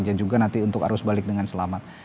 dan saya janjukan nanti untuk arus balik dengan selamat